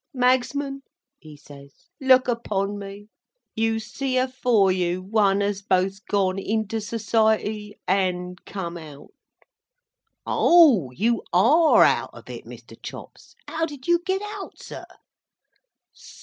"Magsman," he says, "look upon me! You see afore you, One as has both gone into Society and come out." "O! You are out of it, Mr. Chops? How did you get out, sir?"